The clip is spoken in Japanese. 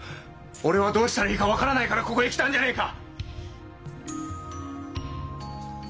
俺はどうしたらいいか分からないからここへ来たんじゃないか！